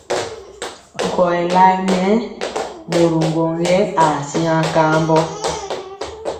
Nkɔyɛ layɛ nɛ mori ŋgwɔŋ yɛ aa siŋa kambɔ.